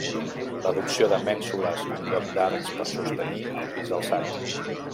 L'adopció de mènsules en lloc d'arcs per sostenir el pis alçat.